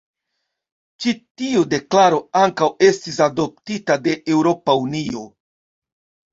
Ĉi tiu deklaro ankaŭ estis adoptita de Eŭropa Unio.